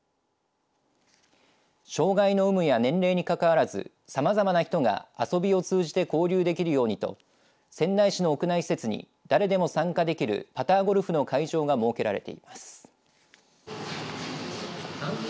障害の有無や年齢にかかわらずさまざまな人が遊びを通じて交流できるようにと仙台市の屋内施設に誰でも参加できるパターゴルフの会場が設けられています。